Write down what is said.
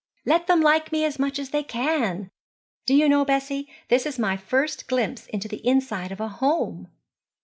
'Let them like me as much as they can. Do you know, Bessie, this is my first glimpse into the inside of a home!'